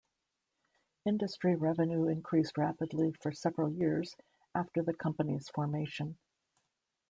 Industry revenue increased rapidly for several years after the company's formation.